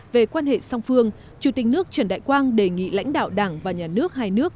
về quan hệ song phương chủ tịch nước trần đại quang đề nghị lãnh đạo đảng và nhà nước hai nước